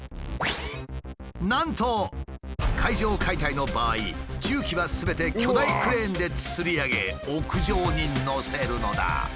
なんと階上解体の場合重機はすべて巨大クレーンでつり上げ屋上に載せるのだ。